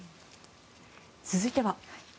続いては。